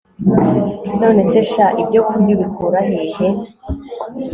nonese sha, ibyo kurya ubikurahehe!